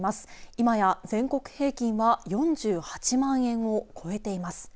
今や全国平均は４８万円を超えています。